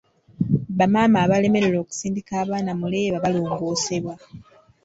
Bamaama abalemererwa okusindika abaana mu leeba balongosebwa.